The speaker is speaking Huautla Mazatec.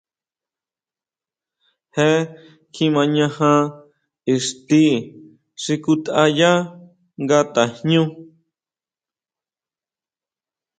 Je kjimañaja ixti xi kutʼayá nga tajñú.